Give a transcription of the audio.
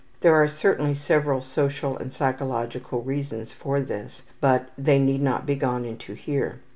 There are certainly several social and psychological reasons for this, but they need not be gone into here.